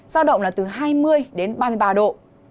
giao động là từ hai mươi đến ba mươi ba độ